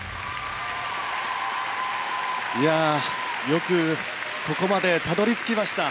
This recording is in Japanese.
よくここまでたどり着きました。